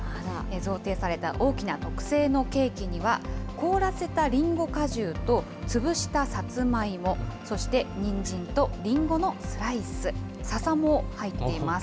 贈呈された大きな特製のケーキには、凍らせたリンゴ果汁と、潰したサツマイモ、そしてニンジンとリンゴのスライス、ササも入っています。